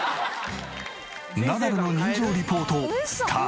ナダルの人情リポートスタート。